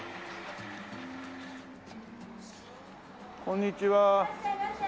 こんにちは！